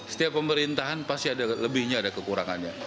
setiap pemerintahan pasti ada lebihnya ada kekurangannya